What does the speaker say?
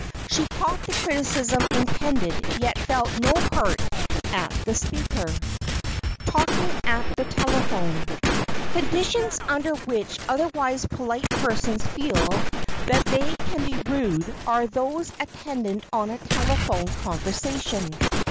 She caught the criticism intended and yet felt no hurt at the speaker. [Sidenote: TALKING AT THE TELEPHONE] Conditions under which otherwise polite persons feel that they can be rude are those attendant on a telephone conversation.